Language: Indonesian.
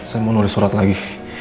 saya mau nuri surat lagi